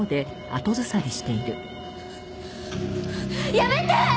やめて！